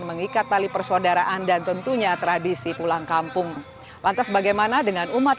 mengikat tali persaudaraan dan tentunya tradisi pulang kampung lantas bagaimana dengan umat